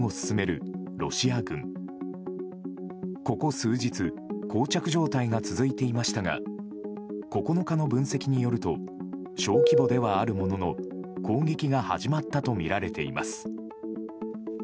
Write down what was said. ここ数日膠着状態が続いていましたが９日の分析によると小規模ではあるものの攻撃が始まったとみられています。